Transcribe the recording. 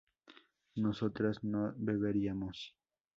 ¿nosotras no beberíamos?